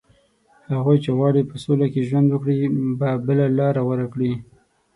هغوی چې غواړي په سوله کې ژوند وکړي، به بله لاره غوره کړي